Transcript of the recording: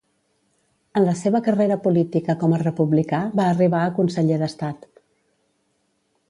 En la seva carrera política com a republicà va arribar a Conseller d'Estat.